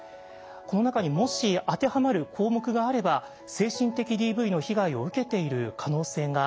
この中にもし当てはまる項目があれば精神的ＤＶの被害を受けている可能性があります。